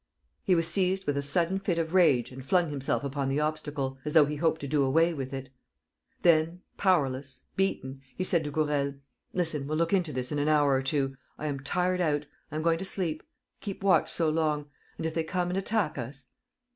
..." He was seized with a sudden fit of rage and flung himself upon the obstacle, as though he hoped to do away with it. Then, powerless, beaten, he said to Gourel: "Listen, we'll look into this in an hour or two. ... I am tired out. ... I am going to sleep. ... Keep watch so long ... and if they come and attack us